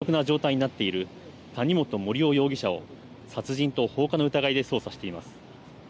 警察は、この２６人とは別に、重篤な状態になっている谷本盛雄容疑者を、殺人と放火の疑いで捜査しています。